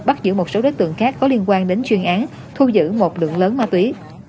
bắt giữ một số đối tượng khác có liên quan đến chuyên án thu giữ một lượng lớn ma túy